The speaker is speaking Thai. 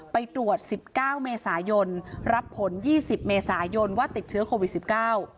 ไปตรวจสิบเก้าเมษายนรับผลยี่สิบเมษายนว่าติดเชื้อโควิดสิบเก้า